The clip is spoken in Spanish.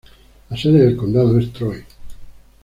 La sede del condado es Troy.